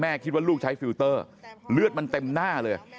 คิดว่าลูกใช้ฟิลเตอร์เลือดมันเต็มหน้าเลย